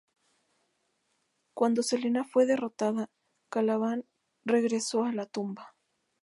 Cuando Selene fue derrotada, Caliban regresó a la tumba.